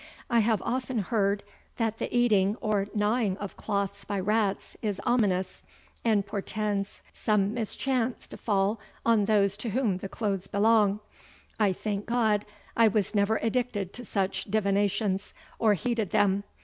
I have often heard that the eating or gnawing of cloths by rats is ominous, and portends some mischance to fall on those to whom the cloths belong. I thank God I was never addicted to such divinations, or heeded them.